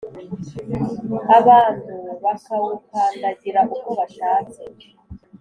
abantu bakawukandagira uko bashatse